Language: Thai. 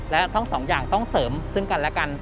และทั้งสองอย่างต้องเสริมซึ่งกันและกัน